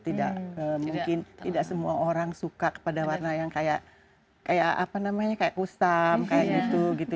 tidak semua orang suka pada warna yang kayak kusam kayak gitu